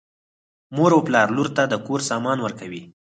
مور او پلار لور ته د کور سامان ورکوي.